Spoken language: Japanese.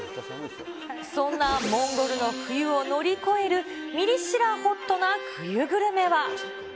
そんなモンゴルの冬を乗り越えるミリ知らホットな冬グルメは。